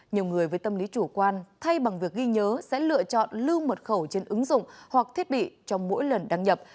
nhiều người với tâm lý chủ quan thay bằng việc ghi nhớ sẽ lựa chọn lưu mật khẩu trên ứng dụng hoặc thiết bị trong mỗi lần đăng nhập